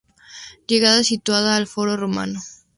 Llegada situada al Foro Romano.